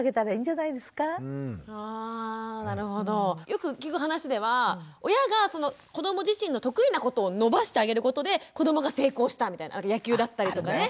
よく聞く話では親がその子ども自身の得意なことを伸ばしてあげることで子どもが成功したみたいな野球だったりとかね。